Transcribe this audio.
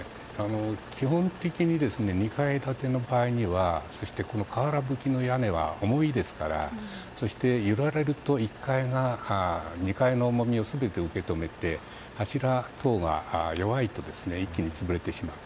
基本的に、２階建ての場合にはそして瓦ぶきの屋根は重いですからそして、揺られると１階が２階の重みを全て受け止めて、柱等が弱いと一気に潰れてしまう。